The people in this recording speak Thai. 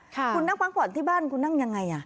คุณนั่งพักผ่อนที่บ้านคุณนั่งยังไง